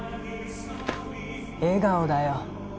笑顔だよ。